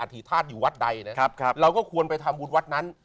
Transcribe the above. อธิษฐาตรอยู่วัดใดเราก็ควรไปทำบุญวัดนั้น